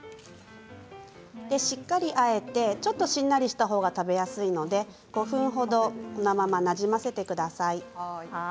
しっかりあえてちょっとしんなりした方が食べやすいので５分程このままなじませてください。